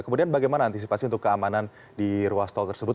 kemudian bagaimana antisipasi untuk keamanan di ruas tol tersebut